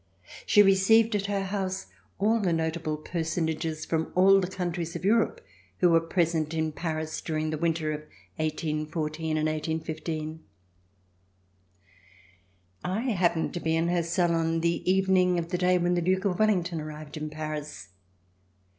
She received at her house all the notable j)ersonages from all the countries of Europe who were present in Paris during the winter of 1 8 14 and 1815. I happened to be in her salon the evening of the day when the Duke of Wellington arrived at Paris.